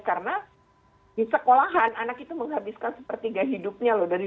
karena di sekolahan anak itu menghabiskan sepertiga hidupnya loh